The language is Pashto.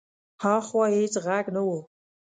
هاخوا هېڅ غږ نه و.